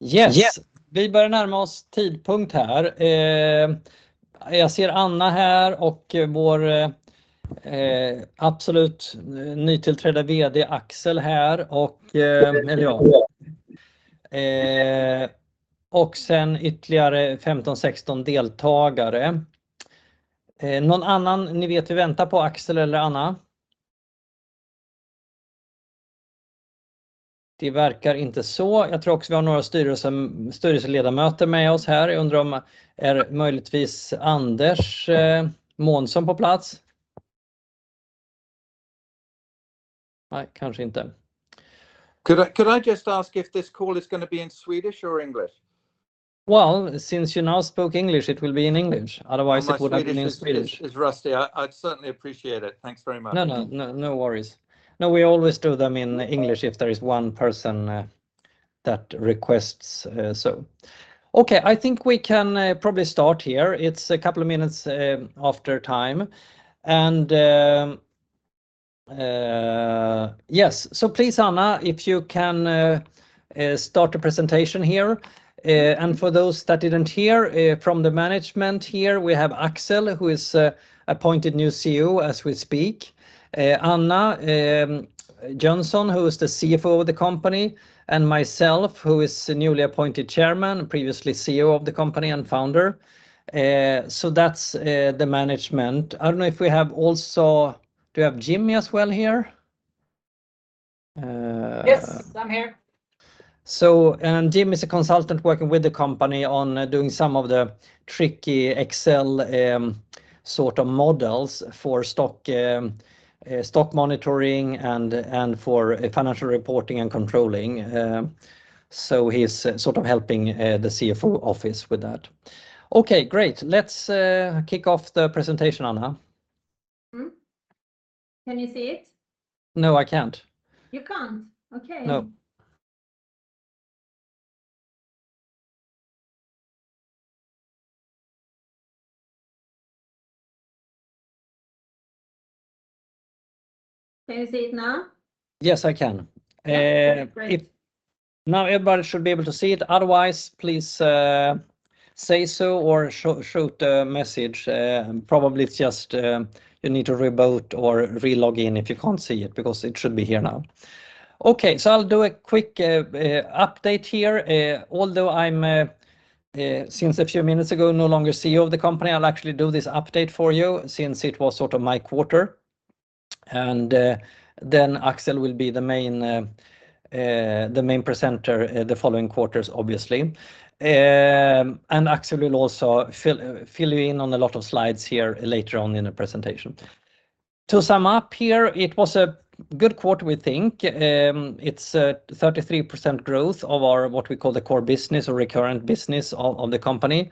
Yes. We are nearly all here at this time point. I see Anna here och vår absolut nytillträdda VD Axel här och, eller ja. Och sen ytterligare 15, 16 deltagare. Någon annan ni vet vi väntar på Axel eller Anna? Det verkar inte så. Jag tror också vi har några styrelseledamöter med oss här. Jag undrar om Anders Månsson är på plats? Nej, kanske inte. Could I just ask if this call is going to be in Swedish or English? Well, since you now spoke English, it will be in English. Otherwise it would have been in Swedish. My Swedish is rusty. I'd certainly appreciate it. Thanks very much. No, no worries. No, we always do them in English if there is one person that requests so. Okay, I think we can probably start here. It's a couple of minutes after time. Yes. Please, Anna, if you can start the presentation here. For those that didn't hear from the management here, we have Axel, who is appointed new CEO as we speak. Anna Jönsson, who is the CFO of the company, and myself, who is newly appointed Chairman, previously CEO of the company and founder. That's the management. I don't know if we have also, do we have Jimmy as well here? Yes, I'm here. Jim is a consultant working with the company on doing some of the tricky Excel sort of models for stock monitoring and for financial reporting and controlling. He's sort of helping the CFO office with that. Okay, great. Let's kick off the presentation, Anna. Mm-hmm. Can you see it? No, I can't. You can't? Okay. No. Can you see it now? Yes, I can. Okay, Great. Now everybody should be able to see it. Otherwise, please say so or shoot a message. Probably it's just you need to reboot or re-log in if you can't see it because it should be here now. Okay. I'll do a quick update here. Although I'm, since a few minutes ago, no longer CEO of the company, I'll actually do this update for you since it was sort of my quarter. Axel will be the main presenter the following quarters, obviously. Axel will also fill you in on a lot of slides here later on in the presentation. To sum up here, it was a good quarter, we think. It's a 33% growth of our, what we call the core business or recurrent business of the company,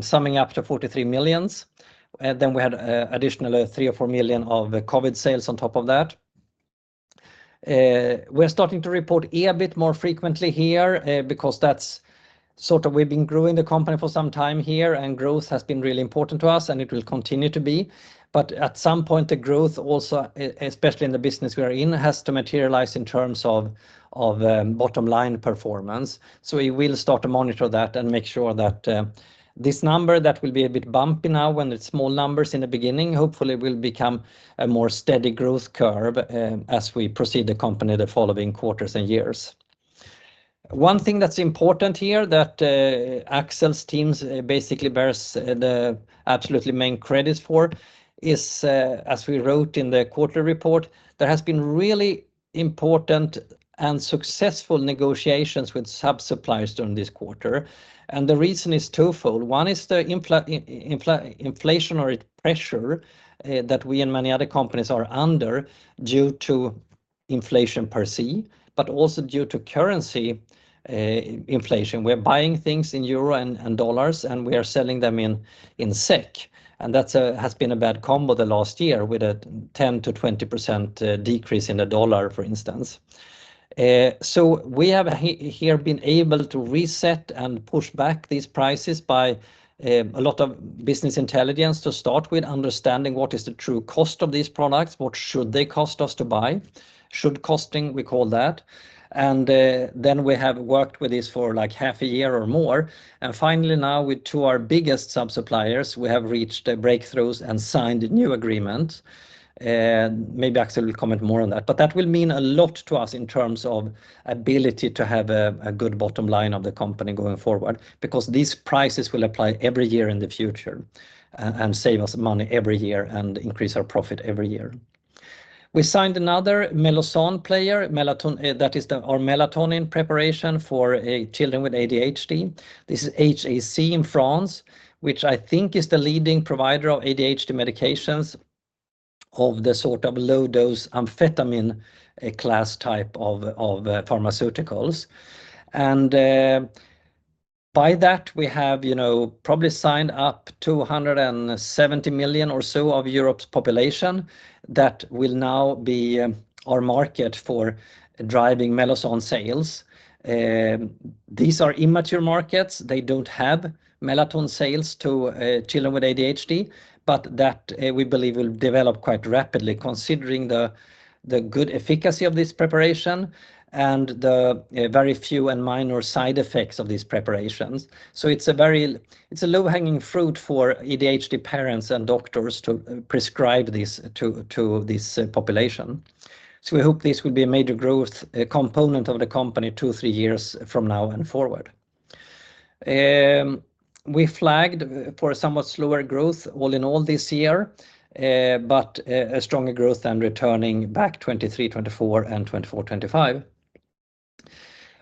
summing up to 43 million. We had additional 3-4 million of COVID sales on top of that. We're starting to report EBIT more frequently here because that's sort of we've been growing the company for some time here and growth has been really important to us and it will continue to be. At some point, the growth also, especially in the business we are in, has to materialize in terms of bottom line performance. We will start to monitor that and make sure that this number that will be a bit bumpy now when it's small numbers in the beginning, hopefully will become a more steady growth curve as we proceed the company the following quarters and years. One thing that's important here that Axel's teams basically bears the absolutely main credits for is, as we wrote in the quarterly report, there has been really important and successful negotiations with sub-suppliers during this quarter. The reason is twofold. One is the inflationary pressure that we and many other companies are under due to inflation per se, but also due to currency inflation. We're buying things in euro and dollars, and we are selling them in SEK. That's has been a bad combo the last year with a 10%-20% decrease in the dollar, for instance. So we have here been able to reset and push back these prices by a lot of business intelligence to start with understanding what is the true cost of these products, what should they cost us to buy, should costing, we call that. We have worked with this for like half a year or more. Finally, now with two of our biggest sub-suppliers, we have reached breakthroughs and signed a new agreement. Maybe Axel will comment more on that, but that will mean a lot to us in terms of ability to have a good bottom line of the company going forward because these prices will apply every year in the future and save us money every year and increase our profit every year. We signed another Mellozzan, that is our melatonin preparation for children with ADHD. This is H.A.C. Pharma in France, which I think is the leading provider of ADHD medications of the sort of low dose amphetamine class type of pharmaceuticals. By that, we have, you know, probably signed up 270 million or so of Europe's population that will now be our market for driving Mellozzan sales. These are immature markets. They don't have melatonin sales to children with ADHD, but that we believe will develop quite rapidly considering the good efficacy of this preparation and the very few and minor side effects of these preparations. It's a very low-hanging fruit for ADHD parents and doctors to prescribe this to this population. We hope this will be a major growth component of the company two, three years from now and forward. We flagged for a somewhat slower growth all in all this year, but a stronger growth than returning back 2023, 2024 and 2024, 2025.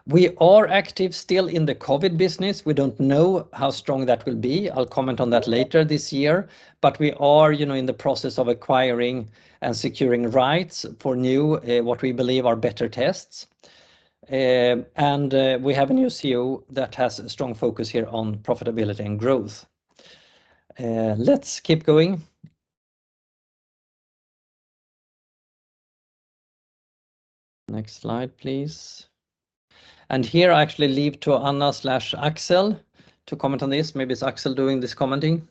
We are active still in the COVID business. We don't know how strong that will be. I'll comment on that later this year. We are, you know, in the process of acquiring and securing rights for new, what we believe are better tests. We have a new CEO that has a strong focus here on profitability and growth. Let's keep going. Next slide, please. Here I actually leave to Anna or Axel to comment on this. Maybe it's Axel doing this commenting.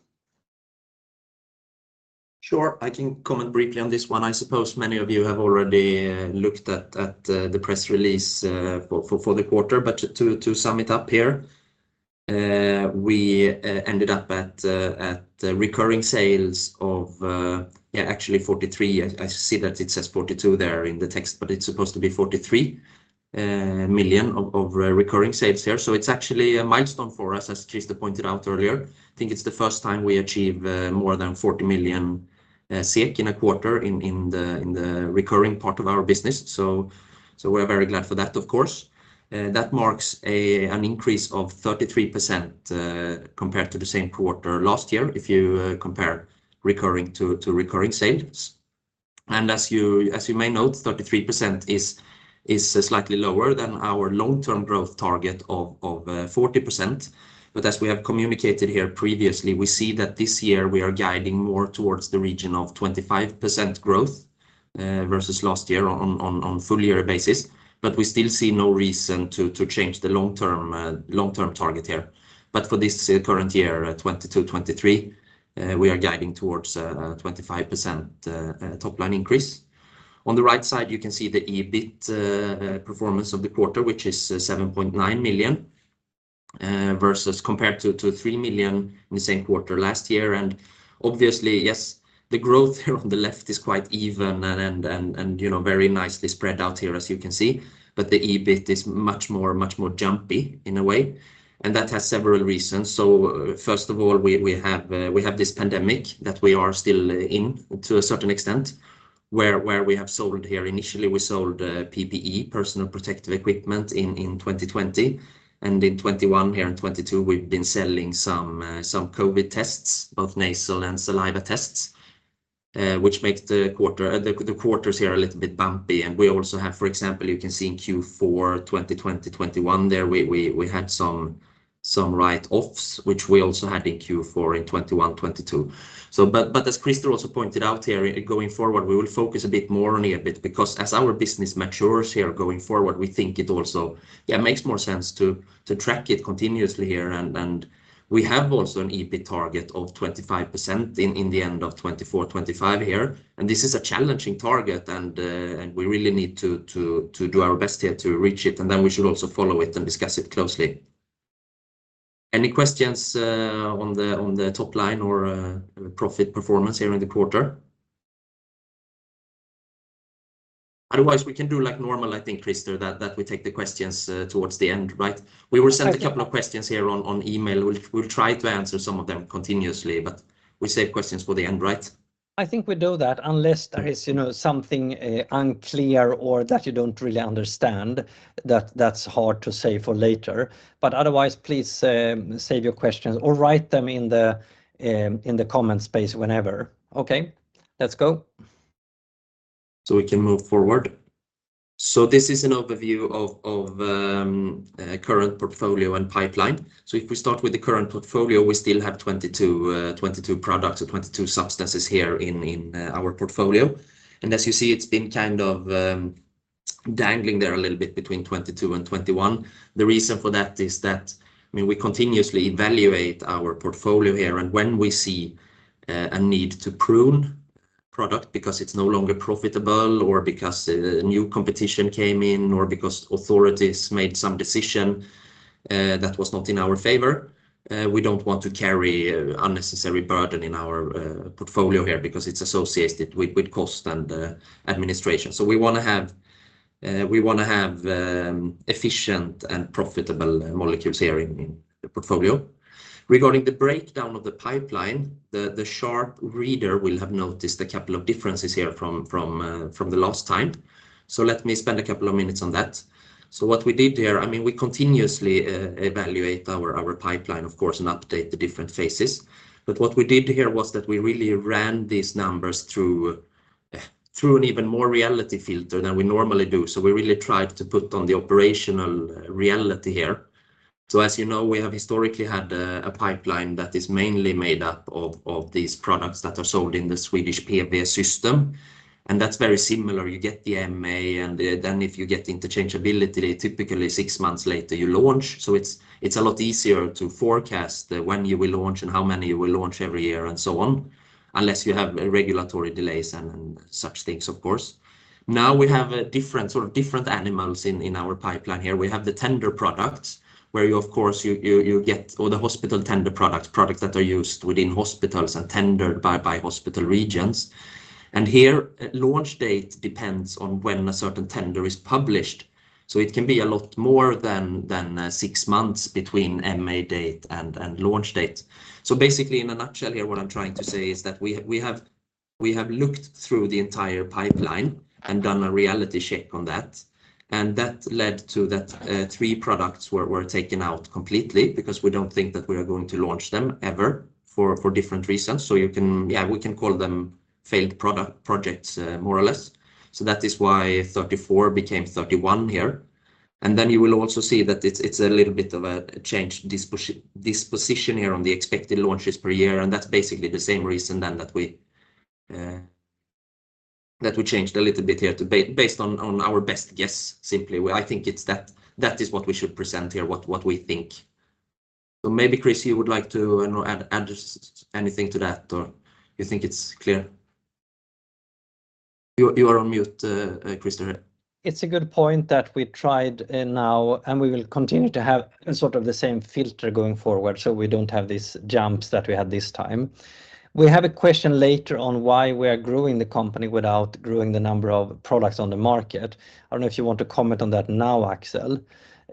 Sure. I can comment briefly on this one. I suppose many of you have already looked at the press release for the quarter. To sum it up here, we ended up at recurring sales of, yeah, actually 43. I see that it says 42 there in the text, but it's supposed to be 43 million of recurring sales here. It's actually a milestone for us, as Christer pointed out earlier. I think it's the first time we achieve more than 40 million SEK in a quarter in the recurring part of our business. We're very glad for that, of course. That marks an increase of 33% compared to the same quarter last year, if you compare recurring to recurring sales. As you may note, 33% is slightly lower than our long-term growth target of 40%. As we have communicated here previously, we see that this year we are guiding more towards the region of 25% growth versus last year on full year basis. We still see no reason to change the long-term target here. For this current year, 2022, 2023, we are guiding towards 25% top line increase. On the right side, you can see the EBIT performance of the quarter, which is 7.9 million versus compared to 3 million in the same quarter last year. Obviously, yes, the growth here on the left is quite even and you know, very nicely spread out here, as you can see. The EBIT is much more jumpy in a way, and that has several reasons. First of all, we have this pandemic that we are still in to a certain extent, where we have sold here. Initially, we sold PPE, Personal Protective Equipment in 2020. In 2021 here and 2022, we've been selling some COVID tests, both nasal and saliva tests, which makes the quarters here a little bit bumpy. We also have, for example, you can see in Q4 2020-2021 there, we had some write-offs, which we also had in Q4 in 2021, 2022. But as Christer also pointed out here, going forward, we will focus a bit more on EBIT because as our business matures here going forward, we think it also makes more sense to track it continuously here. We have also an EBIT target of 25% in the end of 2024, 2025 here. This is a challenging target and we really need to do our best here to reach it. Then we should also follow it and discuss it closely. Any questions on the top line or profit performance here in the quarter? Otherwise, we can do like normal, I think, Christer, that we take the questions towards the end, right? Okay. We were sent a couple of questions here on email. We'll try to answer some of them continuously, but we save questions for the end, right? I think we do that unless there is, you know, something unclear or that you don't really understand that that's hard to save for later. Otherwise, please save your questions or write them in the comment space whenever. Okay. Let's go. We can move forward. This is an overview of current portfolio and pipeline. If we start with the current portfolio, we still have 22 products or 22 substances here in our portfolio. As you see, it's been kind of dangling there a little bit between 22 and 21. The reason for that is that, I mean, we continuously evaluate our portfolio here. When we see a need to prune product because it's no longer profitable or because a new competition came in or because authorities made some decision that was not in our favor, we don't want to carry unnecessary burden in our portfolio here because it's associated with cost and administration. We wanna have efficient and profitable molecules here in the portfolio. Regarding the breakdown of the pipeline, the sharp reader will have noticed a couple of differences here from the last time. Let me spend a couple of minutes on that. What we did here, I mean, we continuously evaluate our pipeline of course and update the different phases. What we did here was that we really ran these numbers through an even more reality filter than we normally do. We really tried to put on the operational reality here. As you know, we have historically had a pipeline that is mainly made up of these products that are sold in the Swedish PBS system, and that's very similar. You get the MA and then if you get interchangeability, typically six months later you launch. It's a lot easier to forecast when you will launch and how many you will launch every year and so on, unless you have regulatory delays and such things of course. Now we have a different sort of different animals in our pipeline here. We have the tender products where you of course get all the hospital tender products that are used within hospitals and tendered by hospital regions. Here launch date depends on when a certain tender is published. It can be a lot more than six months between MA date and launch date. Basically in a nutshell here, what I'm trying to say is that we have looked through the entire pipeline and done a reality check on that, and that led to three products were taken out completely because we don't think that we are going to launch them ever for different reasons. You can, yeah, we can call them failed product projects, more or less. That is why 34 became 31 here. You will also see that it's a little bit of a change disposition here on the expected launches per year. That's basically the same reason then that we changed a little bit here to based on our best guess simply. I think it's that is what we should present here. What we think. Maybe Chris, you would like to, you know, add anything to that or you think it's clear? You are on mute, Christer. It's a good point that we tried and now we will continue to have sort of the same filter going forward so we don't have these jumps that we had this time. We have a question later on why we are growing the company without growing the number of products on the market. I don't know if you want to comment on that now, Axel.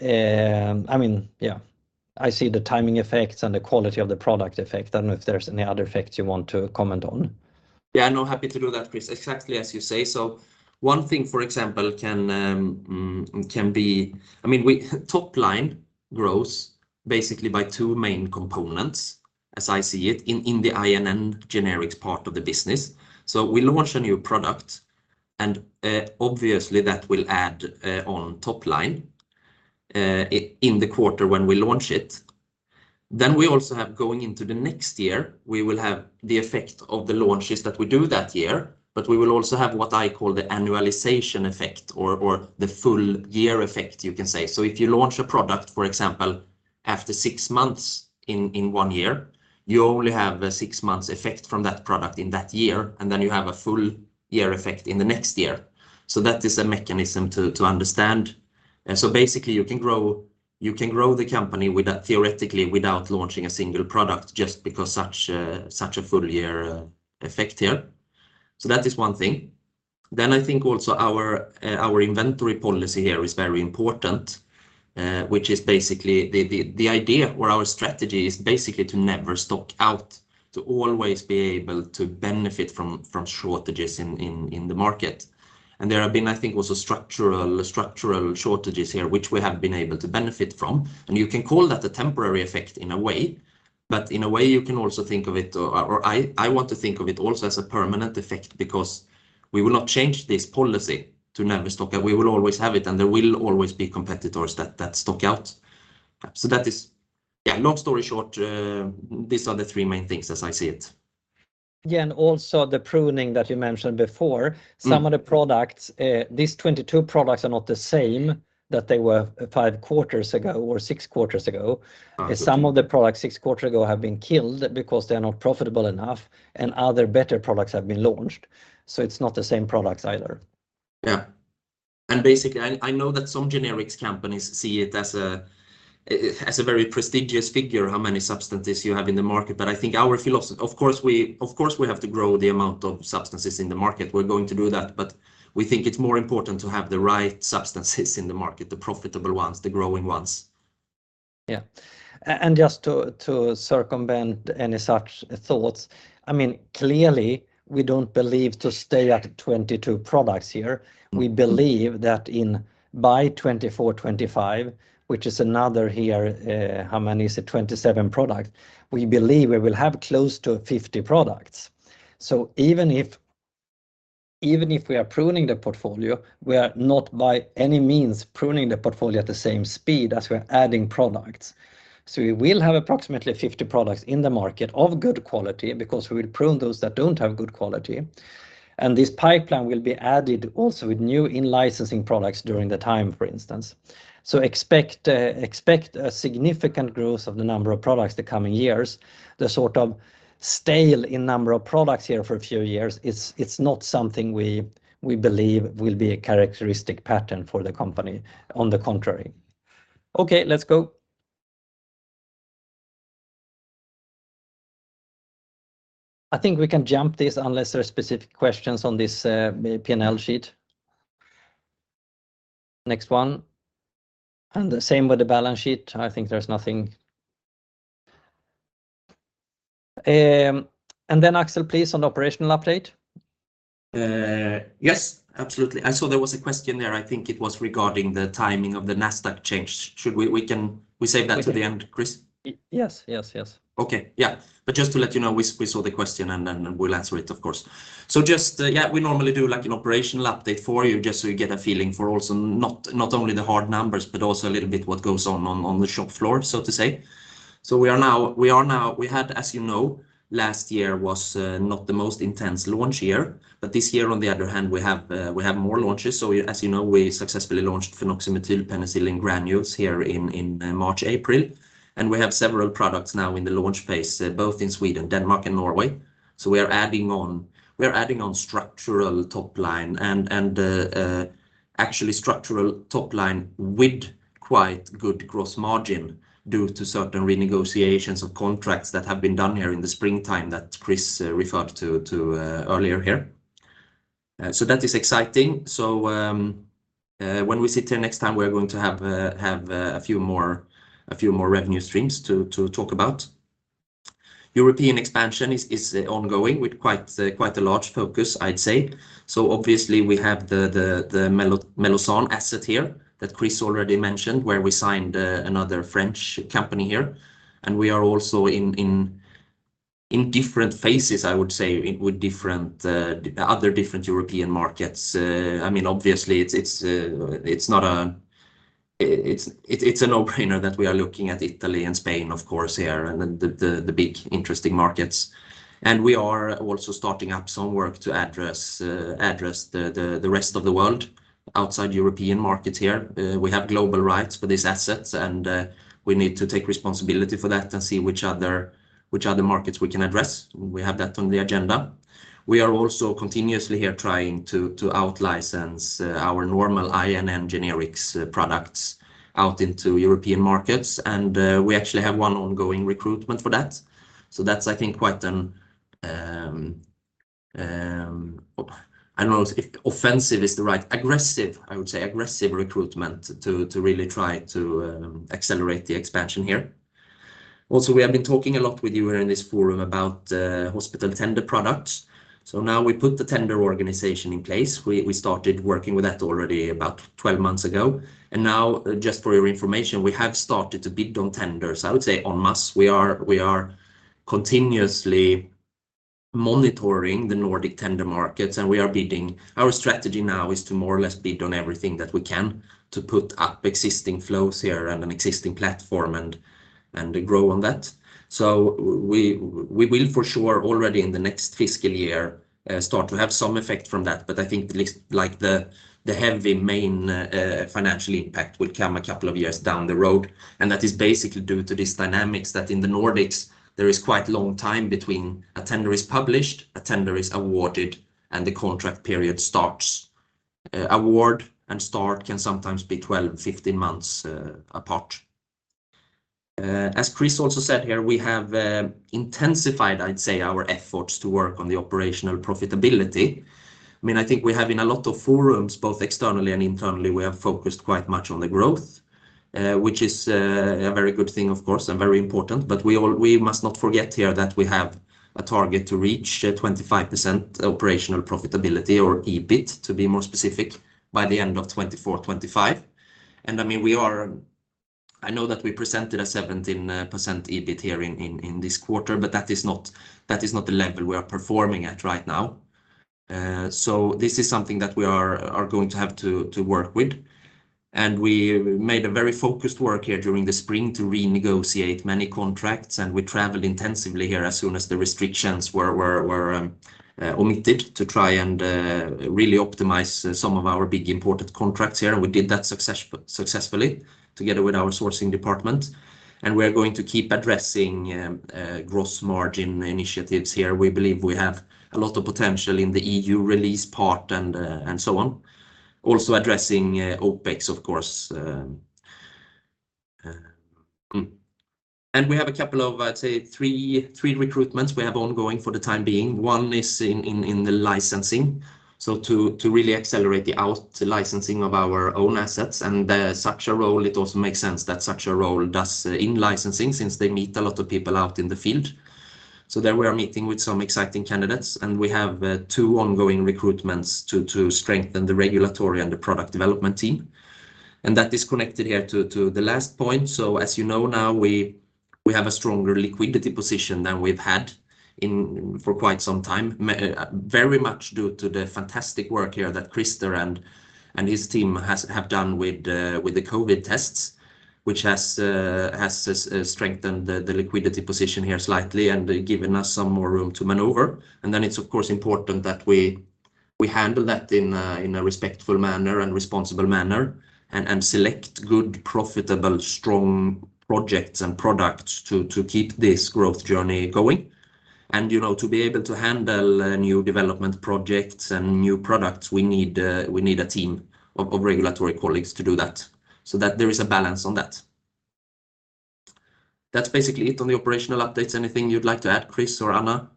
I mean, yeah, I see the timing effects and the quality of the product effect. I don't know if there's any other effect you want to comment on. Yeah, no, happy to do that, Chris. Exactly as you say. One thing, for example, can be, I mean we top line grows basically by two main components as I see it in the INN generics part of the business. We launch a new product and obviously that will add on top line in the quarter when we launch it. We also have, going into the next year, we will have the effect of the launches that we do that year, but we will also have what I call the annualization effect or the full year effect you can say. If you launch a product, for example, after six months in one year, you only have a six months effect from that product in that year, and then you have a full year effect in the next year. That is a mechanism to understand. Basically you can grow the company without, theoretically, without launching a single product just because such a full year effect here. That is one thing. I think also our inventory policy here is very important, which is basically the idea or our strategy is basically to never stock out, to always be able to benefit from shortages in the market. There have been, I think also structural shortages here, which we have been able to benefit from. You can call that a temporary effect in a way, but in a way you can also think of it or I want to think of it also as a permanent effect because we will not change this policy to never stock out. We will always have it and there will always be competitors that stock out. That is, yeah, long story short, these are the three main things as I see it. Yeah. Also the pruning that you mentioned before. Mm. Some of the products, these 22 products are not the same that they were five quarters ago or six quarters ago. Absolutely. Some of the products six quarters ago have been killed because they're not profitable enough and other better products have been launched. It's not the same products either. Yeah. Basically I know that some generics companies see it as a very prestigious figure, how many substances you have in the market. I think our philosophy, of course we have to grow the amount of substances in the market. We're going to do that, but we think it's more important to have the right substances in the market, the profitable ones, the growing ones. Yeah. Just to circumvent any such thoughts, I mean, clearly we don't believe to stay at 22 products here. Mm-hmm. We believe that in 2024, 2025, which is another here, how many is it, 27 products, we believe we will have close to 50 products. Even if we are pruning the portfolio, we are not by any means pruning the portfolio at the same speed as we're adding products. We will have approximately 50 products in the market of good quality because we'll prune those that don't have good quality. This pipeline will be added also with new in-licensing products during the time, for instance. Expect a significant growth of the number of products the coming years, the sort of stall in number of products here for a few years. It's not something we believe will be a characteristic pattern for the company, on the contrary. Okay, let's go. I think we can jump this unless there are specific questions on this, P&L sheet. Next one. The same with the balance sheet. I think there's nothing, and then Axel, please, on the operational update. Yes, absolutely. I saw there was a question there, I think it was regarding the timing of the Nasdaq change. We save that to the end, Chris? Yes. Okay, yeah. Just to let you know, we saw the question and then we'll answer it, of course. Just, yeah, we normally do, like, an operational update for you just so you get a feeling for also not only the hard numbers but also a little bit what goes on on the shop floor, so to say. We had, as you know, last year was not the most intense launch year, but this year on the other hand, we have more launches. As you know, we successfully launched Phenoxymethylpenicillin granules here in March, April. We have several products now in the launch phase, both in Sweden, Denmark, and Norway. We are adding on structural top line and actually structural top line with quite good gross margin due to certain renegotiations of contracts that have been done here in the springtime that Chris referred to earlier here. That is exciting. When we sit here next time, we are going to have a few more revenue streams to talk about. European expansion is ongoing with quite a large focus, I'd say. Obviously we have the Mellozzan asset here that Chris already mentioned, where we signed another French company here. We are also in different phases, I would say with different other European markets. I mean, obviously it's not a. It's a no-brainer that we are looking at Italy and Spain, of course here, and the big interesting markets. We are also starting up some work to address the rest of the world outside European markets here. We have global rights for these assets, and we need to take responsibility for that and see which other markets we can address. We have that on the agenda. We are also continuously here trying to out-license our normal INN generics products out into European markets, and we actually have one ongoing recruitment for that. That's, I think, quite an aggressive, I would say, aggressive recruitment to really try to accelerate the expansion here. We have been talking a lot with you here in this forum about hospital tender products. Now we put the tender organization in place. We started working with that already about 12 months ago. Now just for your information, we have started to bid on tenders. I would say en masse. We are continuously monitoring the Nordic tender markets, and we are bidding. Our strategy now is to more or less bid on everything that we can to put up existing flows here and an existing platform and grow on that. We will for sure already in the next fiscal year start to have some effect from that. I think like the heavy main financial impact will come a couple of years down the road, and that is basically due to these dynamics that in the Nordics there is quite long time between a tender is published, a tender is awarded, and the contract period starts. Award and start can sometimes be 12, 15 months apart. As Chris also said here, we have intensified, I'd say, our efforts to work on the operational profitability. I mean, I think we have in a lot of forums, both externally and internally, we have focused quite much on the growth, which is a very good thing, of course, and very important. We all... We must not forget here that we have a target to reach, 25% operational profitability or EBIT, to be more specific, by the end of 2024, 2025. I mean, we are. I know that we presented a 17% EBIT here in this quarter, but that is not the level we are performing at right now. This is something that we are going to have to work with. We made a very focused work here during the spring to renegotiate many contracts, and we traveled intensively here as soon as the restrictions were omitted to try and really optimize some of our big imported contracts here. We did that successfully together with our sourcing department, and we are going to keep addressing gross margin initiatives here. We believe we have a lot of potential in the EU release part and so on. Also addressing OpEx of course. We have a couple of, I'd say three recruitments we have ongoing for the time being. One is in the licensing, so to really accelerate the out-licensing of our own assets. Such a role, it also makes sense that such a role does in-licensing since they meet a lot of people out in the field. There we are meeting with some exciting candidates, and we have two ongoing recruitments to strengthen the regulatory and the product development team. That is connected here to the last point. As you know now, we have a stronger liquidity position than we've had in for quite some time. Very much due to the fantastic work here that Christer and his team have done with the COVID tests, which has strengthened the liquidity position here slightly and given us some more room to maneuver. It's of course important that we handle that in a respectful manner and responsible manner and select good, profitable, strong projects and products to keep this growth journey going. You know, to be able to handle new development projects and new products, we need a team of regulatory colleagues to do that so that there is a balance on that. That's basically it on the operational updates. Anything you'd like to add, Chris or Anna?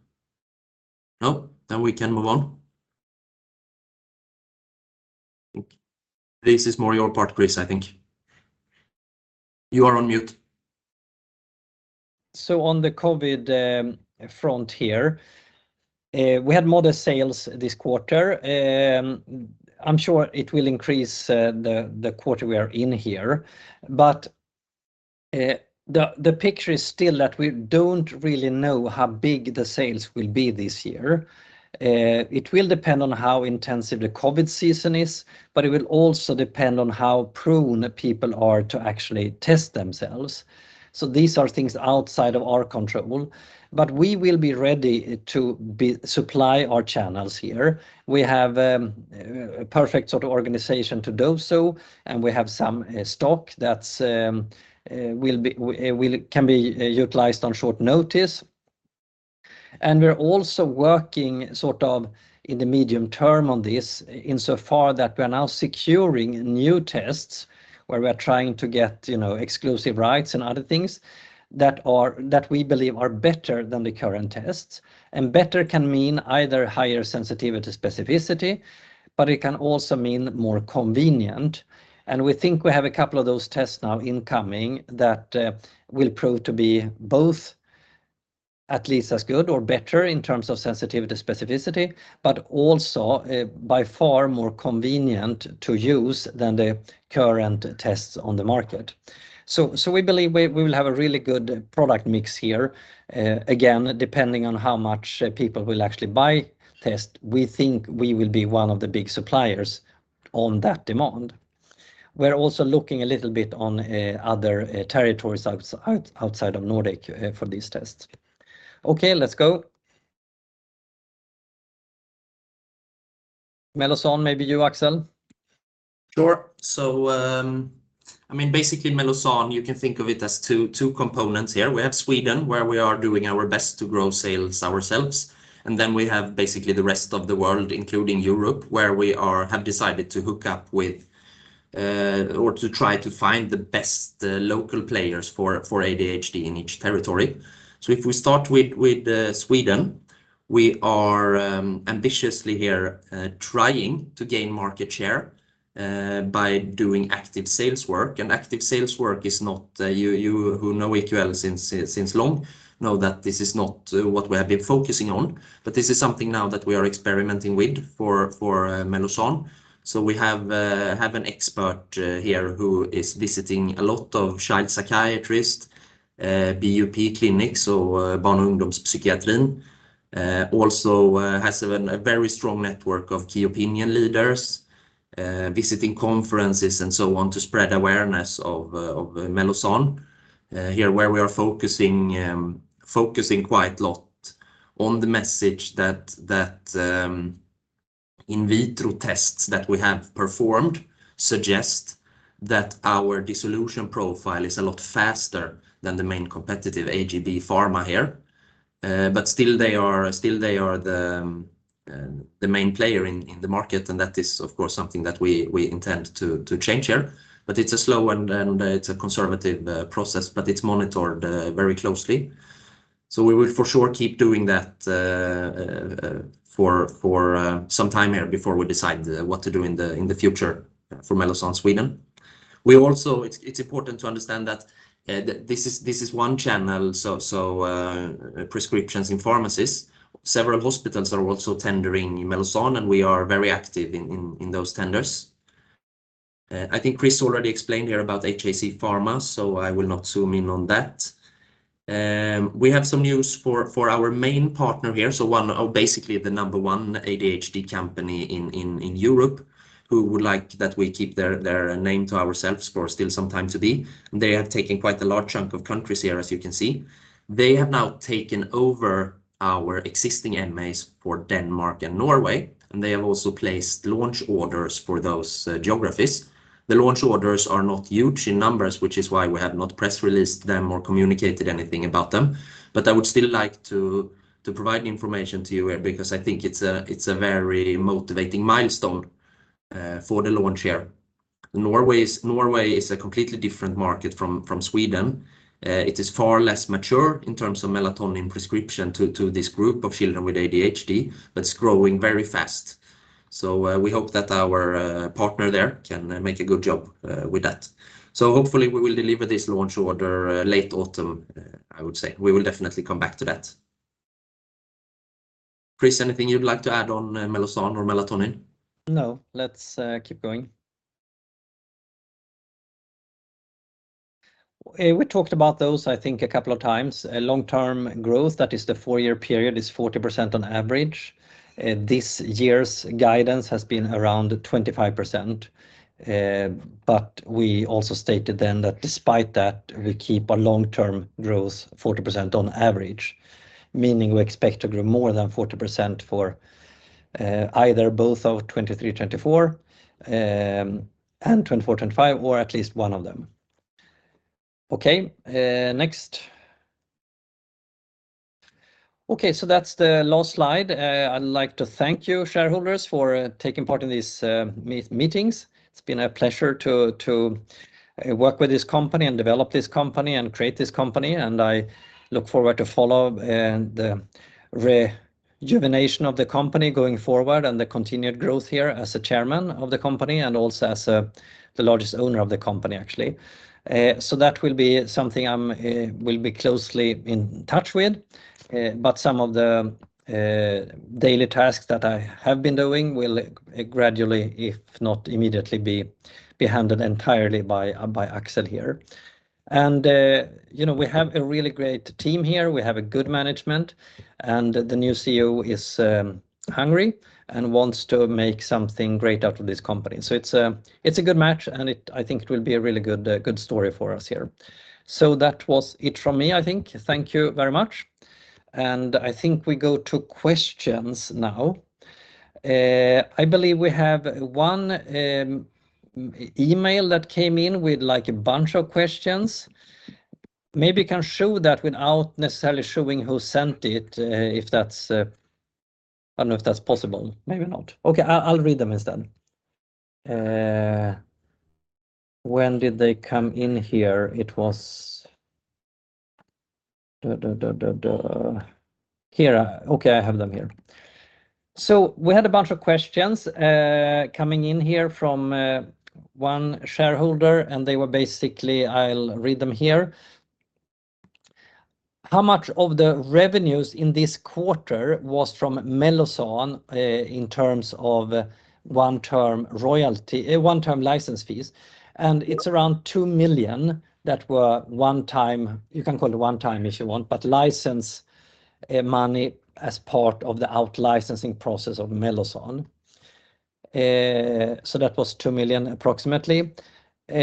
No? We can move on. This is more your part, Chris, I think. You are on mute. On the COVID front here, we had modest sales this quarter. I'm sure it will increase the quarter we are in here. The picture is still that we don't really know how big the sales will be this year. It will depend on how intensive the COVID season is, but it will also depend on how prone people are to actually test themselves. These are things outside of our control. We will be ready to supply our channels here. We have a perfect sort of organization to do so, and we have some stock that can be utilized on short notice. We're also working sort of in the medium term on this insofar that we're now securing new tests where we're trying to get, you know, exclusive rights and other things that are that we believe are better than the current tests. Better can mean either higher sensitivity, specificity, but it can also mean more convenient. We think we have a couple of those tests now incoming that will prove to be both at least as good or better in terms of sensitivity, specificity, but also by far more convenient to use than the current tests on the market. We believe we will have a really good product mix here. Again, depending on how much people will actually buy test, we think we will be one of the big suppliers on that demand. We're also looking a little bit on other territories outside of Nordic for these tests. Okay, let's go. Mellozzan, maybe you Axel. Sure. I mean, basically Mellozzan, you can think of it as two components here. We have Sweden, where we are doing our best to grow sales ourselves, and then we have basically the rest of the world, including Europe, where we have decided to hook up with or to try to find the best local players for ADHD in each territory. If we start with Sweden, we are ambitiously here trying to gain market share by doing active sales work. Active sales work is not what we have been focusing on. You who know EQL since long know that this is not what we have been focusing on. This is something now that we are experimenting with for Mellozzan. We have an expert here who is visiting a lot of child psychiatrist BUP clinics, Barn- och ungdomspsykiatrin, also has a very strong network of key opinion leaders visiting conferences and so on to spread awareness of Mellozzan. Here we are focusing quite a lot on the message that in vitro tests that we have performed suggest that our dissolution profile is a lot faster than the main competitor AGB-Pharma here. Still they are the main player in the market, and that is of course something that we intend to change here. It's a slow and conservative process, but it's monitored very closely. We will for sure keep doing that for some time here before we decide what to do in the future for Mellozzan Sweden. It's important to understand that this is one channel, prescriptions in pharmacies. Several hospitals are also tendering Mellozzan, and we are very active in those tenders. I think Chris already explained here about H.A.C. Pharma, so I will not zoom in on that. We have some news for our main partner here, so one of basically the number one ADHD company in Europe, who would like that we keep their name to ourselves for still some time to be. They have taken quite a large chunk of countries here, as you can see. They have now taken over our existing MAs for Denmark and Norway, and they have also placed launch orders for those geographies. The launch orders are not huge in numbers, which is why we have not press released them or communicated anything about them. I would still like to provide information to you because I think it's a very motivating milestone for the launch here. Norway is a completely different market from Sweden. It is far less mature in terms of melatonin prescription to this group of children with ADHD, but it's growing very fast. We hope that our partner there can make a good job with that. Hopefully we will deliver this launch order late autumn, I would say. We will definitely come back to that. Chris, anything you'd like to add on Mellozzan or melatonin? No. Let's keep going. We talked about those I think a couple of times. Long-term growth, that is the four-year period, is 40% on average. This year's guidance has been around 25%. We also stated then that despite that, we keep our long-term growth 40% on average, meaning we expect to grow more than 40% for either both of 2023, 2024, and 2024, 2025, or at least one of them. Okay, next. Okay, that's the last slide. I'd like to thank you shareholders for taking part in these meetings. It's been a pleasure to work with this company and develop this company and create this company, and I look forward to rejuvenation of the company going forward and the continued growth here as a chairman of the company and also as the largest owner of the company actually. That will be something I will be closely in touch with. Some of the daily tasks that I have been doing will, like, gradually, if not immediately, be handled entirely by Axel here. You know, we have a really great team here. We have a good management, and the new CEO is hungry and wants to make something great out of this company. It's a good match, and I think it will be a really good story for us here. That was it from me, I think. Thank you very much. I think we go to questions now. I believe we have one e-mail that came in with, like, a bunch of questions. Maybe you can show that without necessarily showing who sent it, if that's possible. I don't know. Maybe not. Okay, I'll read them instead. When did they come in here? Here. Okay, I have them here. We had a bunch of questions coming in here from one shareholder, and they were basically. I'll read them here. How much of the revenues in this quarter was from Mellozzan in terms of one-time royalty, one-time license fees? It's around 2 million that were one-time, you can call it one-time if you want, but license money as part of the out-licensing process of Mellozzan. That was 2 million approximately. We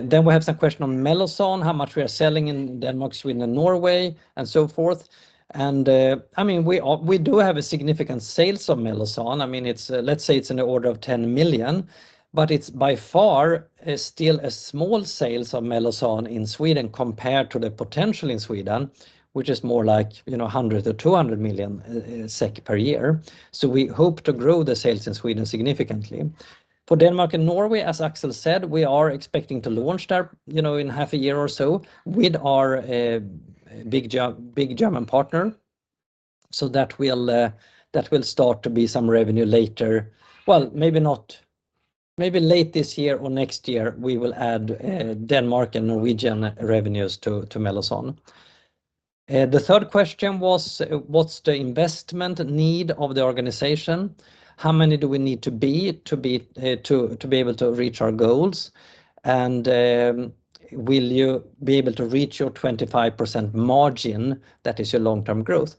have some question on Mellozzan, how much we are selling in Denmark, Sweden, and Norway, and so forth. I mean, we do have a significant sales of Mellozzan. I mean, it's, let's say it's in the order of 10 million, but it's by far still a small sales of Mellozzan in Sweden compared to the potential in Sweden, which is more like, you know, 100 million or 200 million SEK per year. We hope to grow the sales in Sweden significantly. For Denmark and Norway, as Axel said, we are expecting to launch there, you know, in half a year or so with our big German partner. That will start to be some revenue later. Well, maybe not. Maybe late this year or next year, we will add Denmark and Norwegian revenues to Mellozzan. The third question was, what's the investment need of the organization? How many do we need to be able to reach our goals? Will you be able to reach your 25% margin that is your long-term growth?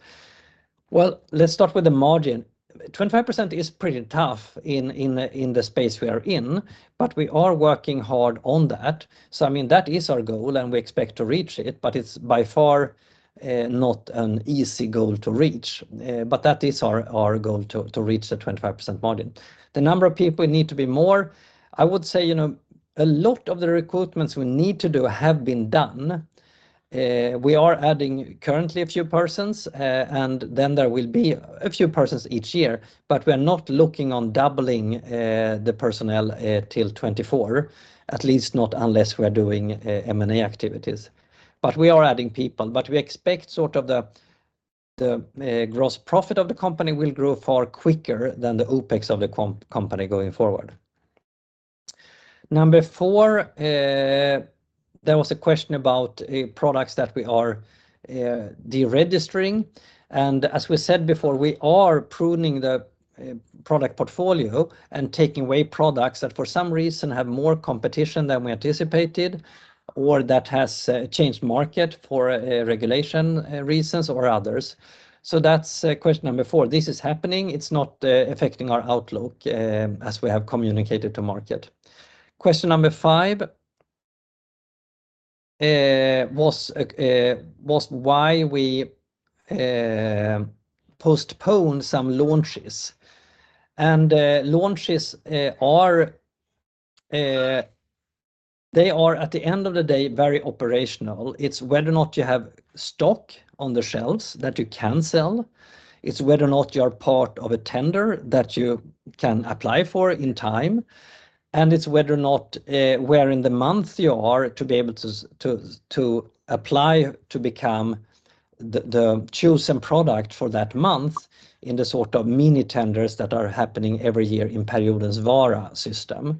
Well, let's start with the margin. 25% is pretty tough in the space we are in, but we are working hard on that. I mean, that is our goal, and we expect to reach it, but it's by far not an easy goal to reach. That is our goal to reach the 25% margin. The number of people need to be more. I would say, you know, a lot of the recruitments we need to do have been done. We are adding currently a few persons, and then there will be a few persons each year, but we're not looking on doubling the personnel till 2024, at least not unless we're doing M&A activities. We are adding people, but we expect sort of the gross profit of the company will grow far quicker than the OpEx of the company going forward. Number four, there was a question about products that we are de-registering. As we said before, we are pruning the product portfolio and taking away products that for some reason have more competition than we anticipated or that has changed market for regulation reasons or others. That's question number four. This is happening. It's not affecting our outlook as we have communicated to market. Question number five was why we postpone some launches. Launches are at the end of the day very operational. It's whether or not you have stock on the shelves that you can sell. It's whether or not you're part of a tender that you can apply for in time. It's whether or not where in the month you are to be able to apply to become the chosen product for that month in the sort of mini tenders that are happening every year in Periodens Vara system.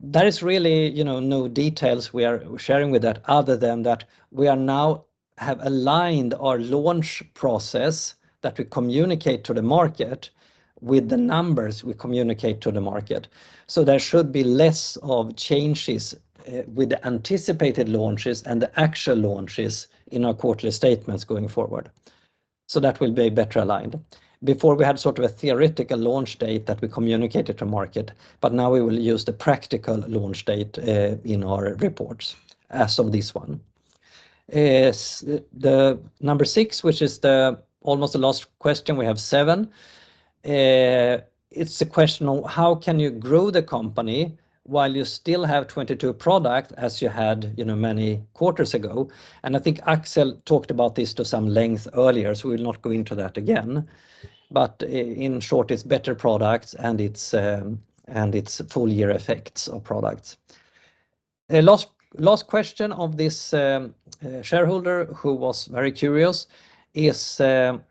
There is really, you know, no details we are sharing with that other than that we now have aligned our launch process that we communicate to the market with the numbers we communicate to the market. There should be less of changes with the anticipated launches and the actual launches in our quarterly statements going forward. That will be better aligned. Before we had sort of a theoretical launch date that we communicated to market, but now we will use the practical launch date in our reports as of this one. The number six, which is almost the last question, we have seven, it's a question on how can you grow the company while you still have 22 products as you had, you know, many quarters ago? I think Axel talked about this at some length earlier, so we'll not go into that again. In short, it's better products, and it's full-year effects of products. The last question of this shareholder who was very curious is our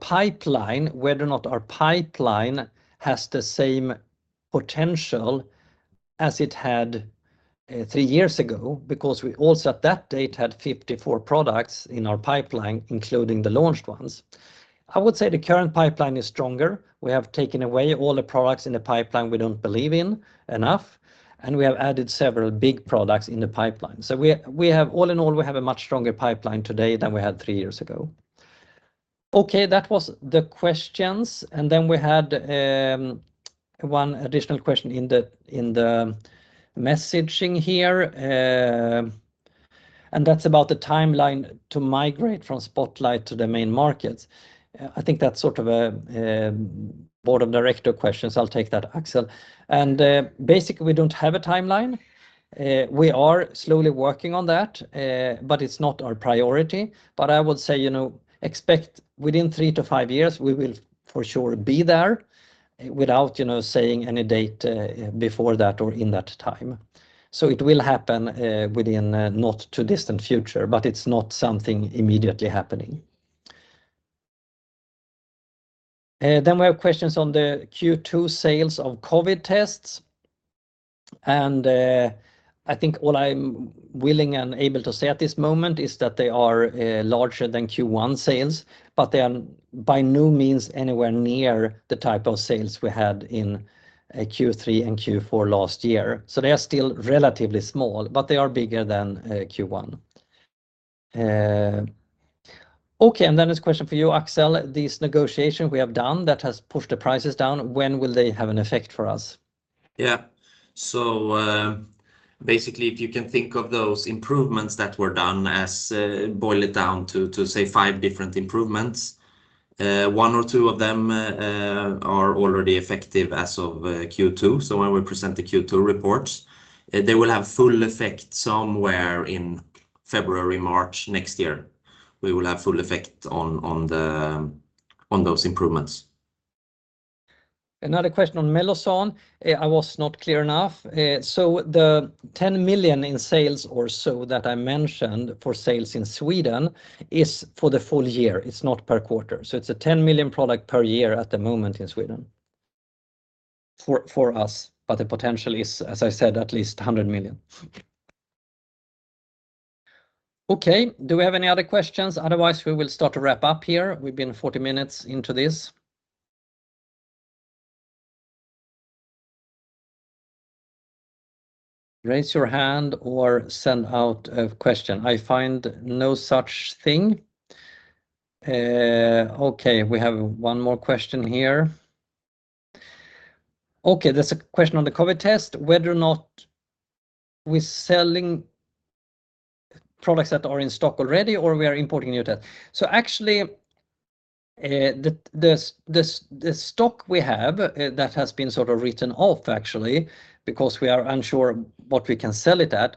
pipeline, whether or not our pipeline has the same potential as it had three years ago because we also at that date had 54 products in our pipeline, including the launched ones. I would say the current pipeline is stronger. We have taken away all the products in the pipeline we don't believe in enough, and we have added several big products in the pipeline. We have all in all a much stronger pipeline today than we had three years ago. Okay. That was the questions. We had one additional question in the messaging here. That's about the timeline to migrate from Spotlight to the main markets. I think that's sort of a board of directors question. I'll take that, Axel. Basically, we don't have a timeline. We are slowly working on that, but it's not our priority. I would say, you know, expect within three-five years, we will for sure be there without, you know, saying any date before that or in that time. It will happen within a not too distant future, but it's not something immediately happening. We have questions on the Q2 sales of COVID tests. I think all I'm willing and able to say at this moment is that they are larger than Q1 sales, but they are by no means anywhere near the type of sales we had in Q3 and Q4 last year. They are still relatively small, but they are bigger than Q1. Okay. This question for you, Axel. These negotiations we have done that has pushed the prices down, when will they have an effect for us? Yeah. Basically, if you can think of those improvements that were done, boil it down to say five different improvements. one or two of them are already effective as of Q2. When we present the Q2 reports, they will have full effect somewhere in February, March next year. We will have full effect on those improvements. Another question on Mellozzan. I was not clear enough. The 10 million in sales or so that I mentioned for sales in Sweden is for the full year. It's not per quarter. It's a 10 million product per year at the moment in Sweden for us. The potential is, as I said, at least 100 million. Okay. Do we have any other questions? Otherwise, we will start to wrap up here. We've been 40 minutes into this. Raise your hand or send out a question. I find no such thing. Okay. We have one more question here. Okay. There's a question on the COVID test, whether or not we're selling products that are in stock already or we are importing new tests. Actually, the stock we have that has been sort of written off actually because we are unsure what we can sell it at,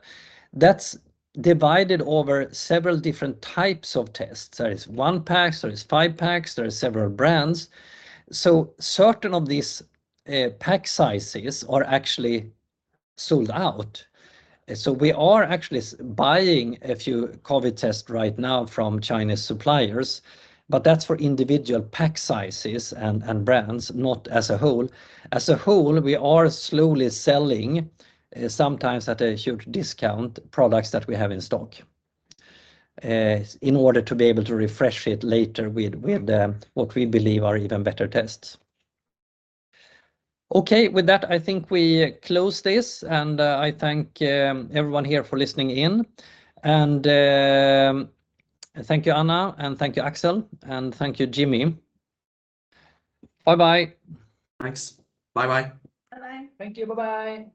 that's divided over several different types of tests. There is one pack, there is five packs, there are several brands. Certain of these pack sizes are actually sold out. We are actually buying a few COVID tests right now from Chinese suppliers, but that's for individual pack sizes and brands, not as a whole. As a whole, we are slowly selling, sometimes at a huge discount, products that we have in stock in order to be able to refresh it later with what we believe are even better tests. Okay. With that, I think we close this, and I thank everyone here for listening in. Thank you, Anna, and thank you, Axel, and thank you, Jimmy. Bye-bye. Thanks. Bye-bye. Bye-bye. Thank you. Bye-bye.